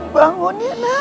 bangun ya nak